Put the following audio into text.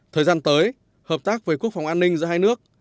thời gian tới hợp tác với quốc phòng an ninh giữa hai nước